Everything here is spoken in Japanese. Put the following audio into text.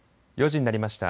４時になりました。